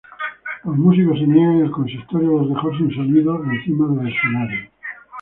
Los músicos se niegan y el consistorio los dejó sin sonido encima del escenario.